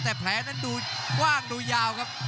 แต่แผลนั้นดูกว้างดูยาวครับ